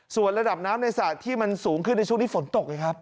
ส่วนระดับน้ำในสระที่มันสูงขึ้นในช่วงนี้ฝนตกไงครับ